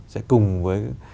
sẽ cùng với